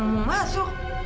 ya emang masuk